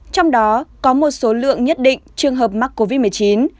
trong đó có một số lượng nhất định trường hợp mắc covid một mươi chín